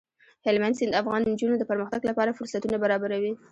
هلمند سیند د افغان نجونو د پرمختګ لپاره فرصتونه برابروي.